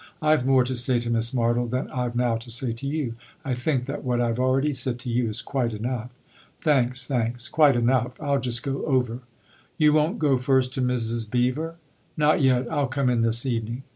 " I've more to say to Miss Martle than I've now to say to you. I think that what I've already said to you is quite enough. " Thanks, thanks quite enough. I'll just go over." " You won't go first to Mrs. Beever ?"" Not yet I'll come in this evening.